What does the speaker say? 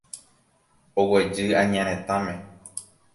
Oguejy añaretãme.